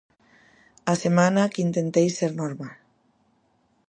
A semana que intentei ser normal.